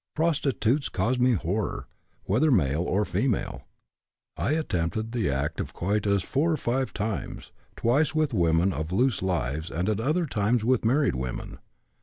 Prostitutes caused me horror, whether male or female. I attempted the act of coitus four or five times, twice with women of loose lives and at other times with married women.